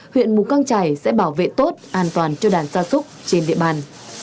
huyện mù căng trải sẽ bảo vệ tốt an toàn cho đàn gia súc trên địa bàn